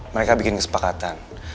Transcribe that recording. mereka bikin kesepakatan